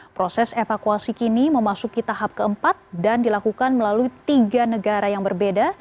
proses evakuasi kini memasuki tahap keempat dan dilakukan melalui tiga negara yang berbeda